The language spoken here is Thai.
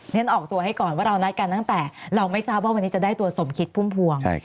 ฉันออกตัวให้ก่อนว่าเรานัดกันตั้งแต่เราไม่ทราบว่าวันนี้จะได้ตัวสมคิดพุ่มพวง